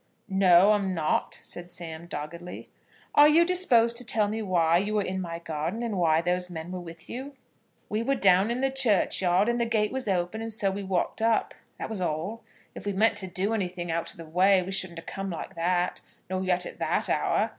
"No, I am not," said Sam, doggedly. "Are you disposed to tell me why you were in my garden, and why those men were with you?" "We were down in the churchyard, and the gate was open, and so we walked up; that was all. If we'd meant to do anything out of the way we shouldn't 'a come like that, nor yet at that hour.